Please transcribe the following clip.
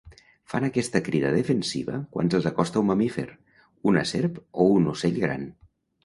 Fan aquesta crida defensiva quan se'ls acosta un mamífer, una serp o un ocell gran.